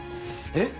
えっ！